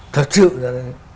thật sự là